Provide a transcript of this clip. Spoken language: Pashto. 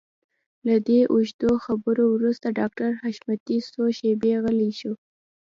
له دې اوږدو خبرو وروسته ډاکټر حشمتي څو شېبې غلی شو.